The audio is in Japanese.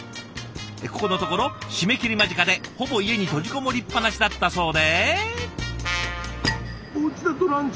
ここのところ締め切り間近でほぼ家に閉じこもりっぱなしだったそうで。